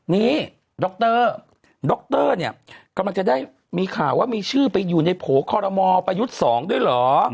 นี่ดรดรเนี่ยกำลังจะได้มีข่าวว่ามีชื่อไปอยู่ในโผล่คอรมอลประยุทธ์๒ด้วยเหรอ